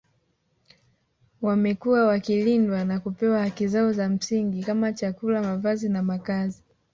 Wamekuwa wakilindwa na kupewa haki zao za msingi kama chakula mavazi na makazi